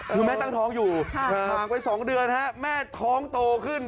คือแม่ตั้งท้องอยู่ห่างไป๒เดือนแม่ท้องโตขึ้น